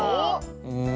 うん。